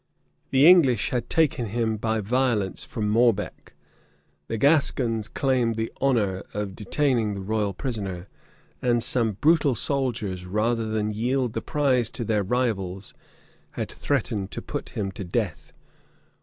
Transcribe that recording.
The English had taken him by violence from Morbec: the Gascons claimed the honor of detaining the royal prisoner; and some brutal soldiers, rather than yield the prize to their rivals, had threatened to put him to death.